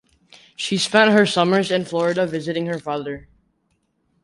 She spent her summers in Florida visiting her father.